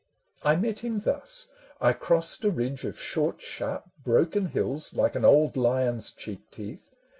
I met him thus : I crossed a ridge of short sharp broken hills Like an old lion's cheek teeth.